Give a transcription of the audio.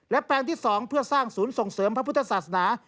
และแปลงที่๒เพื่อสร้างศูนย์ส่งเสริมพระพุทธศาสนา